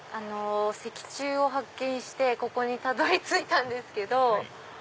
石柱を発見してここにたどり着いたんですけど。